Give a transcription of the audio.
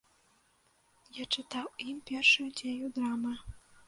Я чытаў ім першую дзею драмы.